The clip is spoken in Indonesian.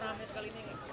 rame iya padat malahan